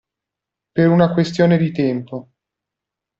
Per una questione di tempo.